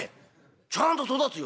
ちゃんと育つよ！」。